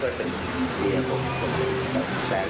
ดินรับทรงตัว